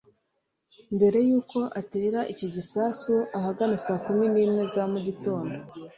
mbere y’uko atera iki gisasu ahagana saa kumi n’imwe za mu gitondo